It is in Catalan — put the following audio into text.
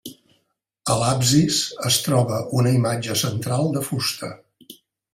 A l'absis es troba una imatge central de fusta.